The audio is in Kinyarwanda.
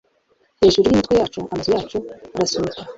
hejuru y'imitwe yacu, amazu yacu arasunika